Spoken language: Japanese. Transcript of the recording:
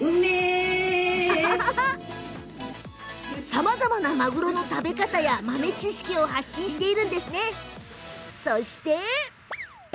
さまざまなマグロの食べ方や豆知識を発信しているんです。